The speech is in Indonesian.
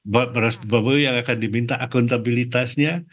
bapak prabowo yang akan diminta akuntabilitasnya